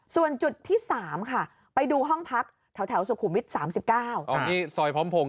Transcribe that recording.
ส่วนจุดที่๓ค่ะไปดูห้องพักแถวสุขุมวิท๓๙ที่ซอยพร้อมพงศ